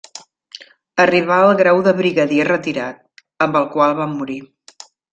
Arribà al grau de brigadier retirat, amb el qual va morir.